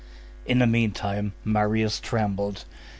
28 In the meantime, Marius trembled.